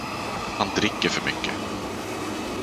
Han dricker för mycket